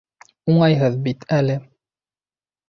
Уңайһыҙ бит әле